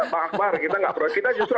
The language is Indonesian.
pak akbar kita tidak protes kita justru